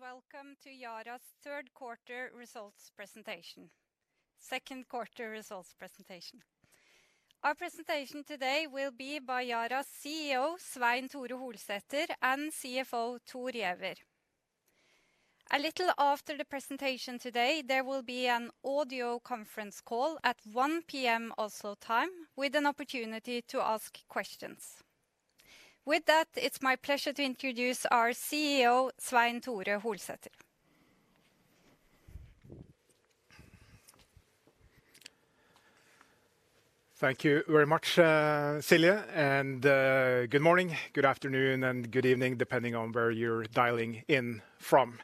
Welcome to Yara's third quarter results presentation. Second quarter results presentation. Our presentation today will be by Yara's CEO, Svein Tore Holsether, and CFO Thor Giæver. A little after the presentation today, there will be an audio conference call at 1:00 P.M. Oslo time with an opportunity to ask questions. With that, it's my pleasure to introduce our CEO, Svein Tore Holsether. Thank you very much, Silje. Good morning, good afternoon, and good evening, depending on where you're dialing in from.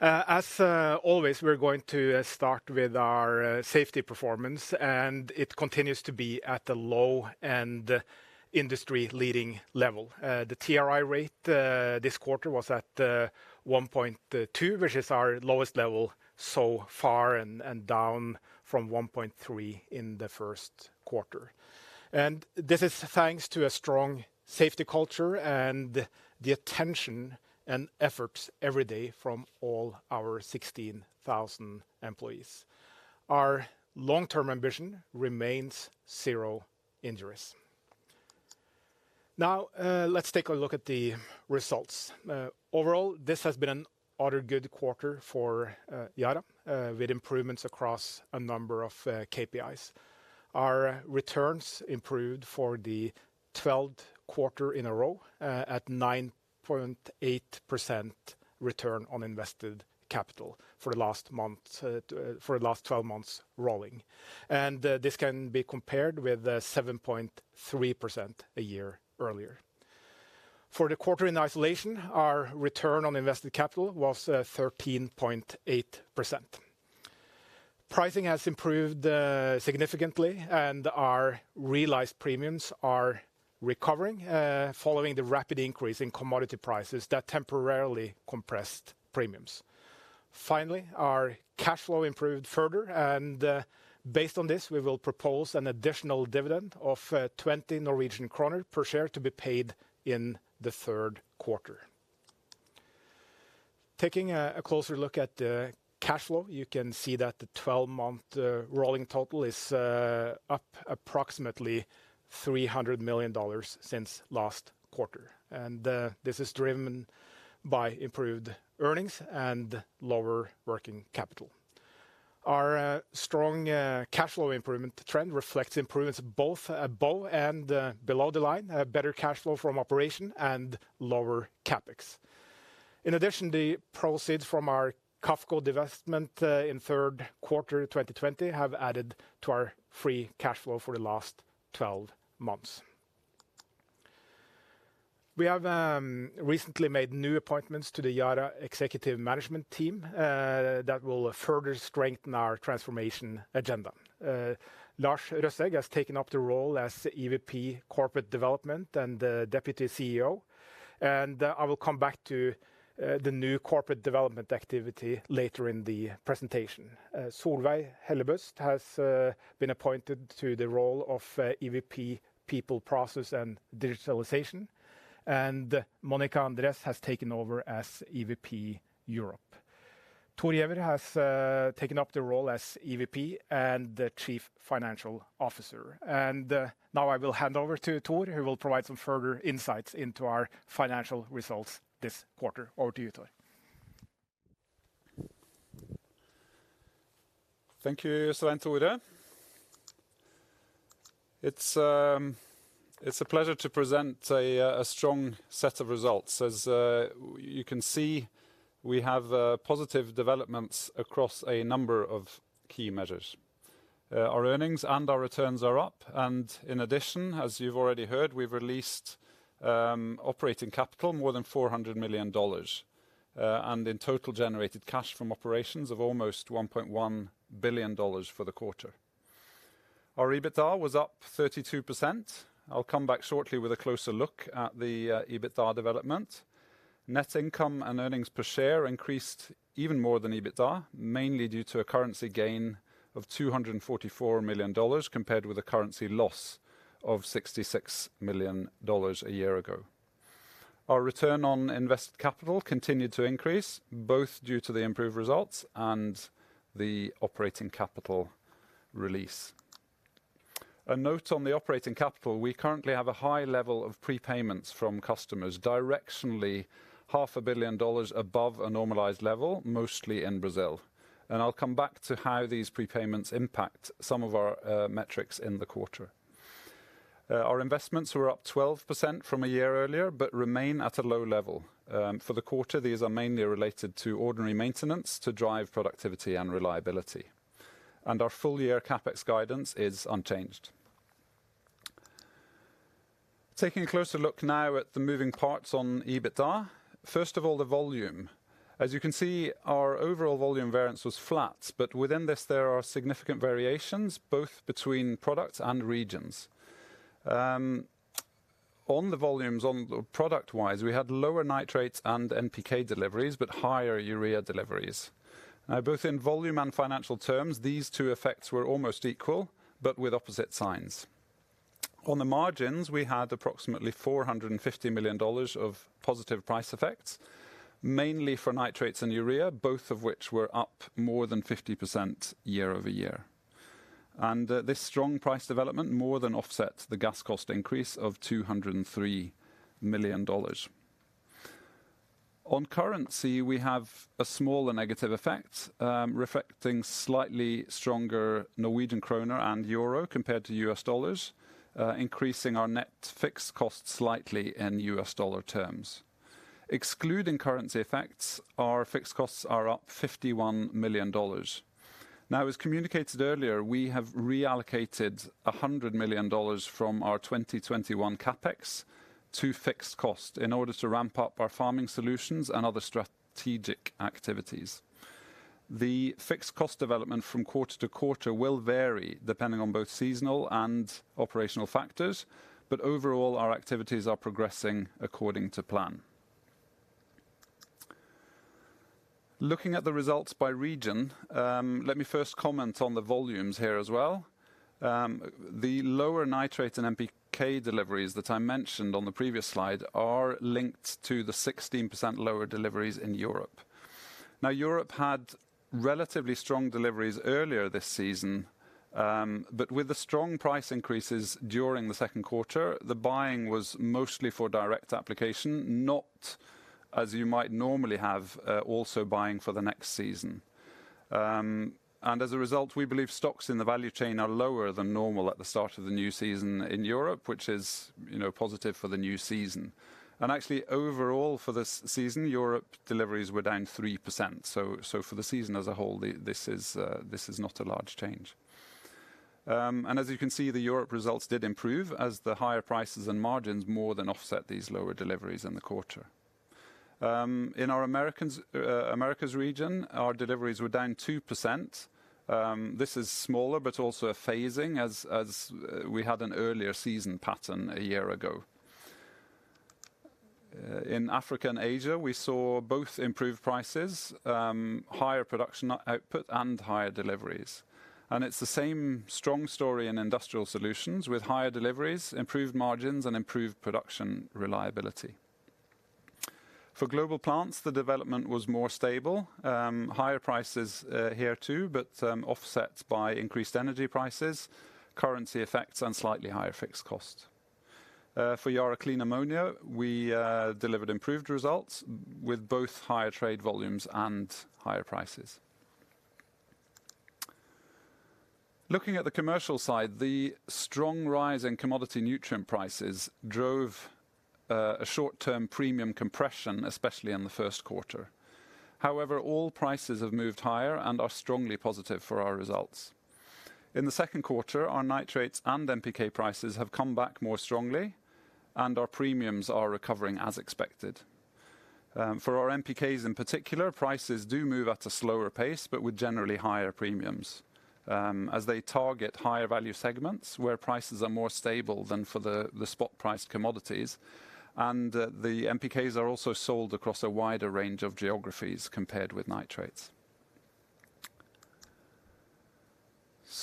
As always, we're going to start with our safety performance. It continues to be at the low-end industry leading level. The TRI rate this quarter was at 1.2, which is our lowest level so far and down from 1.3 in the first quarter. This is thanks to a strong safety culture and the attention and efforts every day from all our 16,000 employees. Our long-term ambition remains zero injuries. Now, let's take a look at the results. Overall, this has been another good quarter for Yara, with improvements across a number of KPIs. Our returns improved for the 12th quarter in a row, at 9.8% return on invested capital for the last 12 months rolling. This can be compared with the 7.3% a year earlier. For the quarter in isolation, our return on invested capital was 13.8%. Pricing has improved significantly, and our realized premiums are recovering following the rapid increase in commodity prices that temporarily compressed premiums. Finally, our cash flow improved further, and based on this, we will propose an additional dividend of 20 Norwegian kroner per share to be paid in the third quarter. Taking a closer look at the cash flow, you can see that the 12-month rolling total is up approximately NOK 300 million since last quarter, and this is driven by improved earnings and lower working capital. Our strong cash flow improvement trend reflects improvements both above and below the line, better cash flow from operation and lower CapEx. In addition, the proceeds from our QAFCO divestment in third quarter 2020 have added to our free cash flow for the last 12 months. We have recently made new appointments to the Yara executive management team that will further strengthen our transformation agenda. Lars Røsæg has taken up the role as EVP, Corporate Development and Deputy CEO, and I will come back to the new Corporate Development activity later in the presentation. Solveig Hellebust has been appointed to the role of EVP, People, Process and Digitalization, and Mónica Andrés has taken over as EVP Europe. Thor Giæver has taken up the role as EVP and the Chief Financial Officer. Now I will hand over to Thor, who will provide some further insights into our financial results this quarter. Over to you, Thor. Thank you, Svein Tore. It's a pleasure to present a strong set of results. As you can see, we have positive developments across a number of key measures. Our earnings and our returns are up. In addition, as you've already heard, we've released operating capital more than $400 million. In total, generated cash from operations of almost $1.1 billion for the quarter. Our EBITDA was up 32%. I'll come back shortly with a closer look at the EBITDA development. Net income and earnings per share increased even more than EBITDA, mainly due to a currency gain of $244 million, compared with a currency loss of $66 million a year ago. Our return on invested capital continued to increase, both due to the improved results and the operating capital release. A note on the operating capital, we currently have a high level of prepayments from customers, directionally half a billion dollars above a normalized level, mostly in Brazil. I'll come back to how these prepayments impact some of our metrics in the quarter. Our investments were up 12% from a year earlier, but remain at a low level. For the quarter, these are mainly related to ordinary maintenance to drive productivity and reliability. Our full-year CapEx guidance is unchanged. Taking a closer look now at the moving parts on EBITDA. First of all, the volume. As you can see, our overall volume variance was flat, but within this, there are significant variations both between products and regions. On the volumes, product-wise, we had lower nitrates and NPK deliveries, but higher urea deliveries. Both in volume and financial terms, these two effects were almost equal but with opposite signs. On the margins, we had approximately $450 million of positive price effects, mainly for nitrates and urea, both of which were up more than 50% year-over-year. This strong price development more than offsets the gas cost increase of $203 million. On currency, we have a smaller negative effect, reflecting slightly stronger Norwegian kroner and euro compared to US dollars, increasing our net fixed cost slightly in US dollar terms. Excluding currency effects, our fixed costs are up $51 million. As communicated earlier, we have reallocated $100 million from our 2021 CapEx to fixed cost in order to ramp up our farming solutions and other strategic activities. The fixed cost development from quarter to quarter will vary, depending on both seasonal and operational factors, but overall our activities are progressing according to plan. Looking at the results by region, let me first comment on the volumes here as well. The lower nitrates and NPK deliveries that I mentioned on the previous slide are linked to the 16% lower deliveries in Europe. Europe had relatively strong deliveries earlier this season, but with the strong price increases during the second quarter, the buying was mostly for direct application, not as you might normally have also buying for the next season. As a result, we believe stocks in the value chain are lower than normal at the start of the new season in Europe, which is positive for the new season. Actually overall for this season, Europe deliveries were down 3%. For the season as a whole, this is not a large change. As you can see, the Europe results did improve as the higher prices and margins more than offset these lower deliveries in the quarter. In our Americas region, our deliveries were down 2%. This is smaller, but also a phasing as we had an earlier season pattern a year ago. In Africa and Asia, we saw both improved prices, higher production output, and higher deliveries. It's the same strong story in Industrial Solutions with higher deliveries, improved margins, and improved production reliability. For Global Plants, the development was more stable. Higher prices here too, offsets by increased energy prices, currency effects, and slightly higher fixed cost. For Yara Clean Ammonia, we delivered improved results with both higher trade volumes and higher prices. Looking at the commercial side, the strong rise in commodity nutrient prices drove a short-term premium compression, especially in the first quarter. All prices have moved higher and are strongly positive for our results. In the second quarter, our nitrates and NPK prices have come back more strongly, and our premiums are recovering as expected. For our NPKs in particular, prices do move at a slower pace, but with generally higher premiums as they target higher value segments where prices are more stable than for the spot price commodities and the NPKs are also sold across a wider range of geographies compared with nitrates.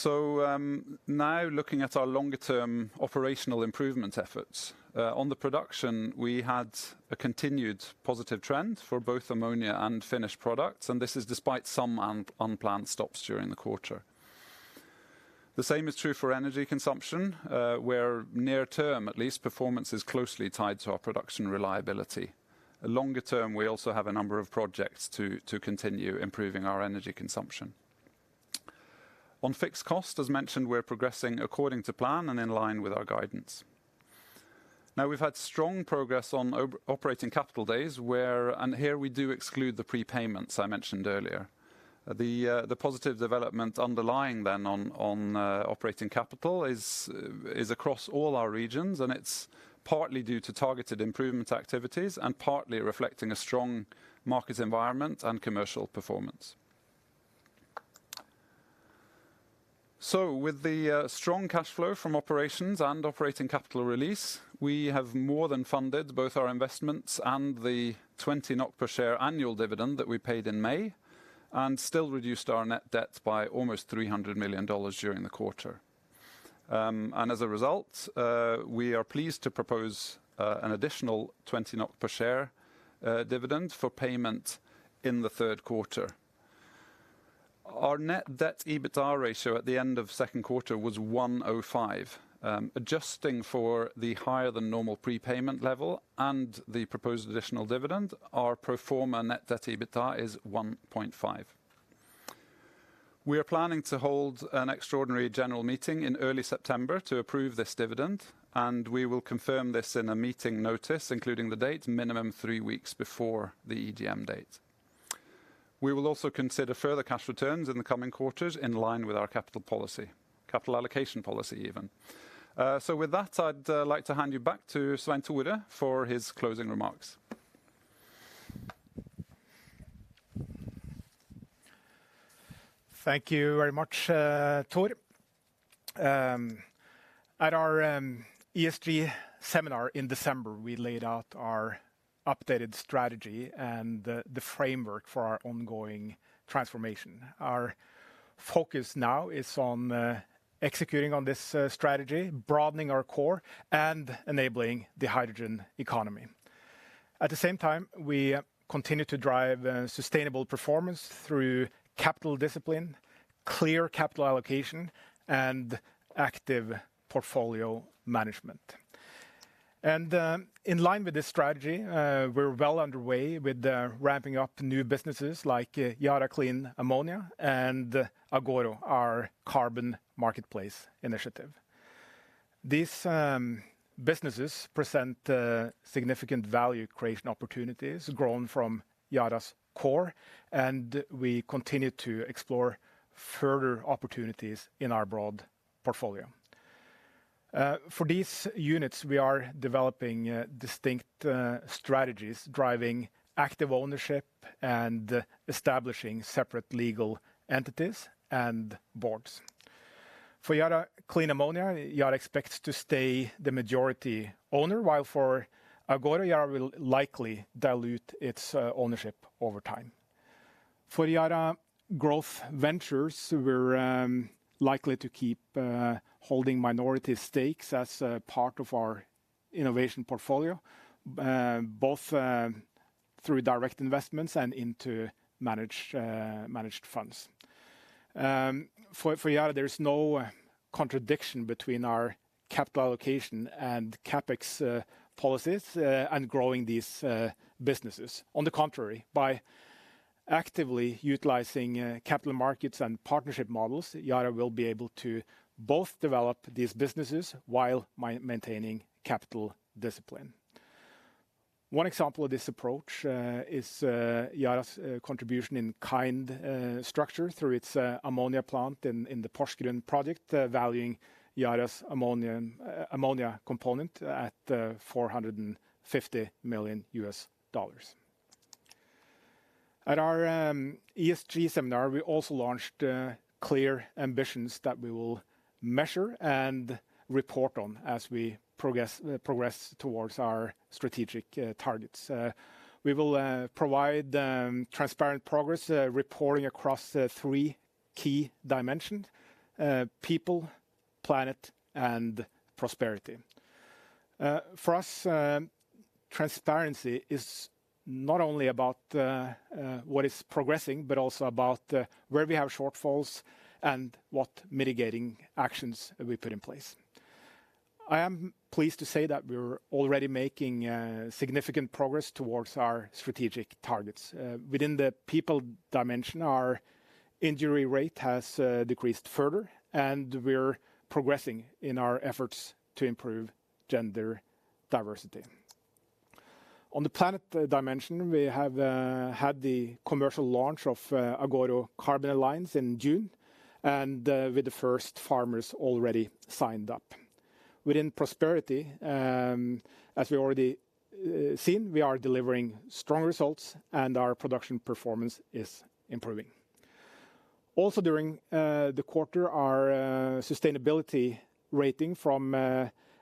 Now looking at our longer-term operational improvement efforts. On the production, we had a continued positive trend for both ammonia and finished products, and this is despite some unplanned stops during the quarter. The same is true for energy consumption, where near term at least, performance is closely tied to our production reliability. Longer term, we also have a number of projects to continue improving our energy consumption. On fixed cost, as mentioned, we're progressing according to plan and in line with our guidance. We've had strong progress on operating capital days, and here we do exclude the prepayments I mentioned earlier. The positive development underlying then on operating capital is across all our regions, and it's partly due to targeted improvement activities and partly reflecting a strong market environment and commercial performance. With the strong cash flow from operations and operating capital release, we have more than funded both our investments and the 20 NOK per share annual dividend that we paid in May and still reduced our net debt by almost $300 million during the quarter. As a result, we are pleased to propose an additional 20 per share dividend for payment in the third quarter. Our net debt-to-EBITDA ratio at the end of second quarter was 1.05x. Adjusting for the higher than normal prepayment level and the proposed additional dividend, our pro forma net debt-to-EBITDA is 1.5x. We are planning to hold an Extraordinary General Meeting in early September to approve this dividend, and we will confirm this in a meeting notice, including the date, minimum 3 weeks before the EGM date. We will also consider further cash returns in the coming quarters in line with our capital policy, capital allocation policy even. With that, I'd like to hand you back to Svein Tore for his closing remarks. Thank you very much, Thor. At our ESG seminar in December, we laid out our updated strategy and the framework for our ongoing transformation. Our focus now is on executing on this strategy, broadening our core, and enabling the hydrogen economy. At the same time, we continue to drive sustainable performance through capital discipline, clear capital allocation, and active portfolio management. In line with this strategy, we're well underway with ramping up new businesses like Yara Clean Ammonia and Agoro, our carbon marketplace initiative. These businesses present significant value creation opportunities grown from Yara's core, and we continue to explore further opportunities in our broad portfolio. For these units, we are developing distinct strategies, driving active ownership and establishing separate legal entities and boards. For Yara Clean Ammonia, Yara expects to stay the majority owner, while for Agoro, Yara will likely dilute its ownership over time. For Yara Growth Ventures, we're likely to keep holding minority stakes as a part of our innovation portfolio, both through direct investments and into managed funds. For Yara, there is no contradiction between our capital allocation and CapEx policies and growing these businesses. On the contrary, by actively utilizing capital markets and partnership models, Yara will be able to both develop these businesses while maintaining capital discipline. One example of this approach is Yara's contribution in kind structure through its ammonia plant in the Porsgrunn project, valuing Yara's ammonia component at $450 million U.S. dollars. At our ESG seminar, we also launched clear ambitions that we will measure and report on as we progress towards our strategic targets. We will provide transparent progress reporting across three key dimensions: people, planet, and prosperity. For us, transparency is not only about what is progressing, but also about where we have shortfalls and what mitigating actions we put in place. I am pleased to say that we're already making significant progress towards our strategic targets. Within the people dimension, our injury rate has decreased further, and we're progressing in our efforts to improve gender diversity. On the planet dimension, we have had the commercial launch of Agoro Carbon Alliance in June and with the first farmers already signed up. Within prosperity, as we already seen, we are delivering strong results, and our production performance is improving. During the quarter, our sustainability rating from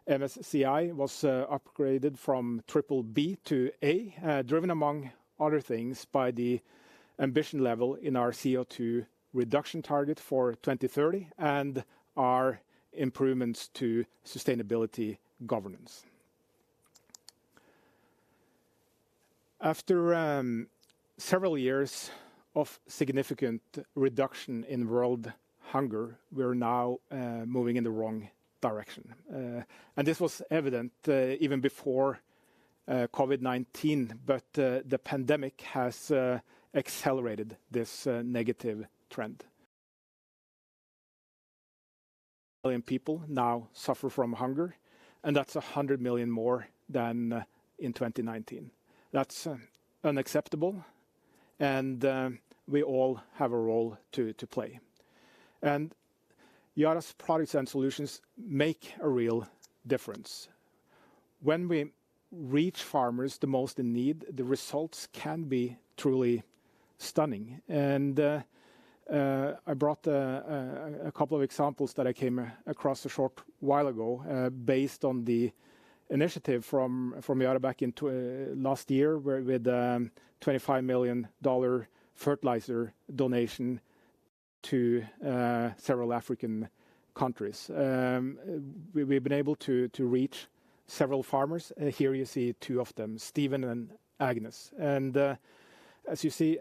MSCI was upgraded from triple B to A, driven among other things by the ambition level in our CO2 reduction target for 2030 and our improvements to sustainability governance. After several years of significant reduction in world hunger, we are now moving in the wrong direction. This was evident even before COVID-19, but the pandemic has accelerated this negative trend. Million people now suffer from hunger, and that's 100 million more than in 2019. That's unacceptable, and we all have a role to play. Yara's products and solutions make a real difference. When we reach farmers the most in need, the results can be truly stunning. I brought a couple of examples that I came across a short while ago, based on the initiative from Yara back last year with a $25 million fertilizer donation to several African countries. We've been able to reach several farmers. Here you see two of them, Steven and Agnes. As you see,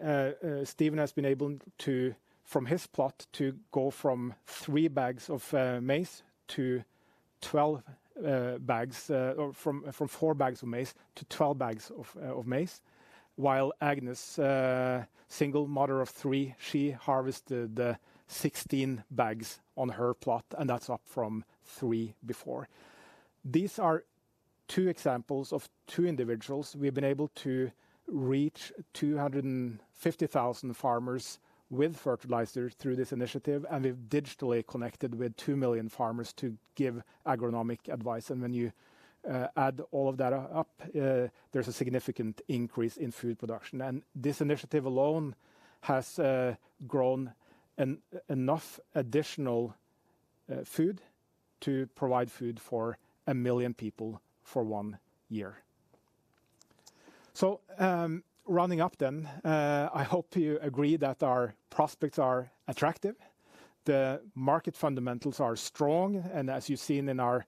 Steven has been able to, from his plot, to go from 3 bags of maize to 12 bags from four bags of maize to 12 bags of maize. While Agnes, a single mother of three, she harvested 16 bags on her plot, and that's up from three before. These are two examples of two individuals. We've been able to reach 250,000 farmers with fertilizer through this initiative, and we've digitally connected with 2 million farmers to give agronomic advice. When you add all of that up, there's a significant increase in food production. This initiative alone has grown enough additional food to provide food for 1 million people for 1 year. Rounding up then, I hope you agree that our prospects are attractive, the market fundamentals are strong, and as you've seen in our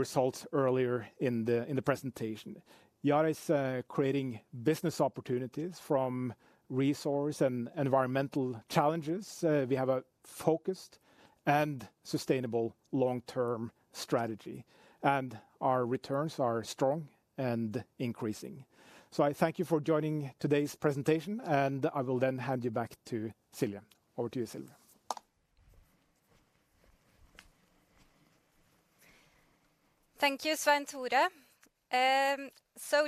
results earlier in the presentation, Yara is creating business opportunities from resource and environmental challenges. We have a focused and sustainable long-term strategy, and our returns are strong and increasing. I thank you for joining today's presentation, and I will then hand you back to Silje. Over to you, Silje. Thank you, Svein Tore.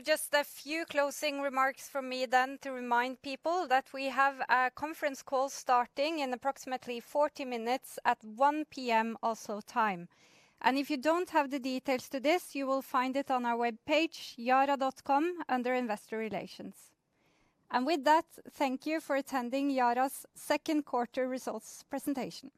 Just a few closing remarks from me then to remind people that we have a conference call starting in approximately 40 minutes at 1:00 P.M. Oslo time. If you don't have the details to this, you will find it on our webpage, yara.com, under Investor Relations. With that, thank you for attending Yara's second quarter results presentation.